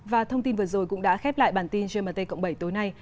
và thông tin vừa rồi cũng đã khép lại bản tin gmt cộng bảy tối nay